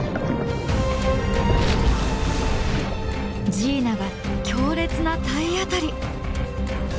ジーナが強烈な体当たり。